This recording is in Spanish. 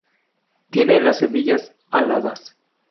Tiene las semillas aladas.